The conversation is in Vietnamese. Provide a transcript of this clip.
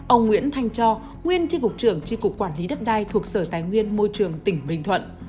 ông nguyễn thanh cho nguyên tri cục trưởng tri cục quản lý đất đai thuộc sở tài nguyên môi trường tỉnh bình thuận